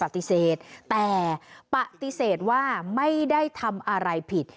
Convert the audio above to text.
แต่ปฏิเสธว่าไม่ได้ทำอะไรผิด